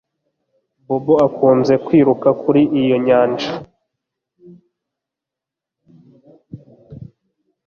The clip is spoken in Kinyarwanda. bob akunze kwiruka kuri iyo nyanja